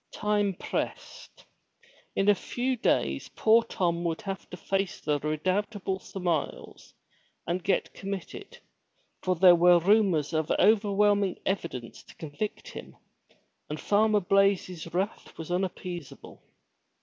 Time pressed. In a few days poor Tom would have to face the redoubtable Sir Miles, and get committed, for there were rumors of overwhelming evidence to convict him, and Farmer Blaize's wrath was unappeasable.